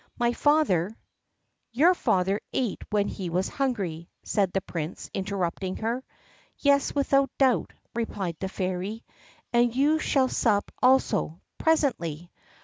My father " "Your father ate when he was hungry," said the Prince, interrupting her. "Yes, without doubt," replied the Fairy, "and you shall sup also, presently.